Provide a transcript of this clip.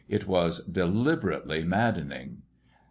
It was deliberately maddening.